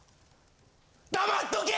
黙っとけ！